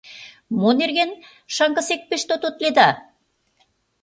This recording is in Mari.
— Мо нерген шаҥгысек пеш тототледа?